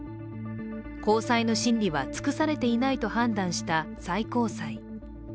高裁の審理は尽くされていないと判断した最高裁。